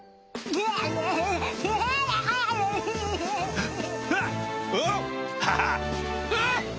うわあっ！